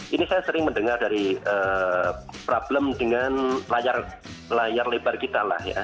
ini saya sering mendengar dari problem dengan layar lebar kita lah ya